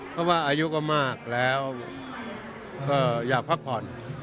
เพราะว่าอายุก็มากแล้วก็อยากพักผ่อน